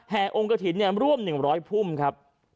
แห่องกระถิ่นร่วม๑๐๐ภูมิ